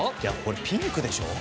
ピンクでしょ。